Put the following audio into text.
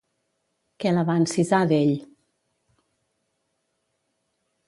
Què la va encisar d'ell?